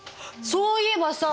そういえばさ